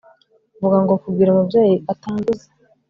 vuga ngo kugira ngo umubyeyi atanduza